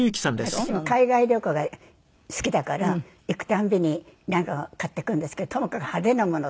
私も海外旅行が好きだから行く度になんか買ってくるんですけどともかく派手なもの。